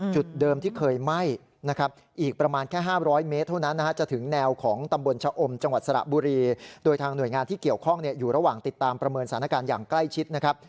จุดเดิมที่เคยไหม้นะครับ